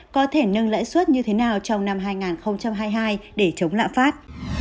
có thể nâng lãi suất như thế nào trong năm hai nghìn hai mươi hai để chống lãng phát